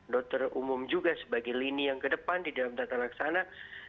dokter umum juga sebagai lini yang ke depan di dalam bentang tanaksana